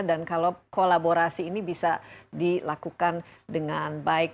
dan kalau kolaborasi ini bisa dilakukan dengan baik